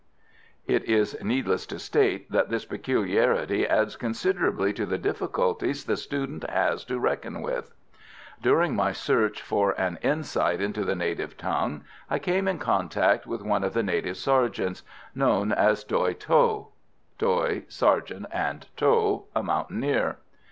It is needless to state that this peculiarity adds considerably to the difficulties the student has to reckon with. During my search for an insight into the native tongue I came in contact with one of the native sergeants, known as Doy Tho (doy sergeant, and tho a mountaineer).